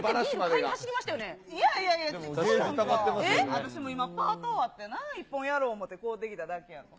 私も今、パート終わってね、一本やろうと思って、買うてきただけやん。